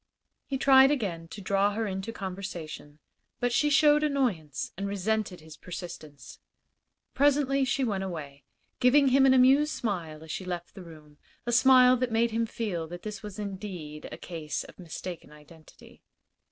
He tried again to draw her into conversation, but she showed annoyance and resented his persistence. Presently she went away, giving him an amused smile as she left the room a smile that made him feel that this was indeed a case of mistaken identity.